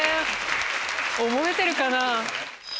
⁉覚えてるかな？